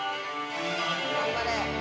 頑張れ！